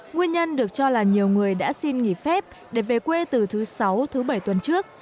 nguyên nhân được cho là nhiều người đã xin nghỉ phép để về quê từ thứ sáu thứ bảy tuần trước